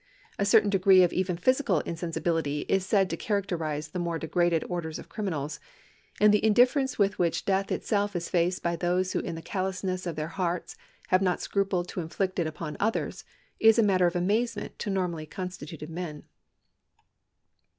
A certain degree of oven physical insensibility is said to characterise the more degraded orders of criminals; and the indifference with which death itself is faced by those who in the callousness of their hearts have not scrupled to inflict it upon others is a matter of amazement to normally constituted men.